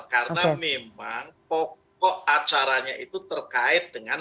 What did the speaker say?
karena memang pokok acaranya itu terkait dengan